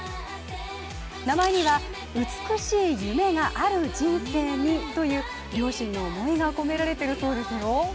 名前には「美しい夢が有る人生に」という両親の思いが込められているそうですよ。